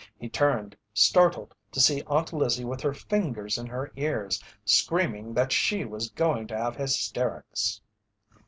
He turned, startled, to see Aunt Lizzie with her fingers in her ears screaming that she was going to have hysterics.